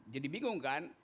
jadi bingung kan